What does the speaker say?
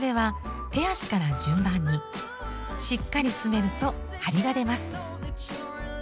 しっかり詰めるとはりが出ます。